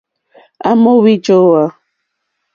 À mò wíjówá.